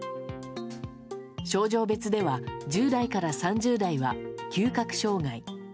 症状別では１０代から３０代は嗅覚障害。